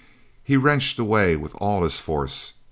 He wrenched away with all his force.